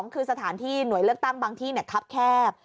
คือสถานที่หน่วยเลือกตั้งบางที่คับแคบ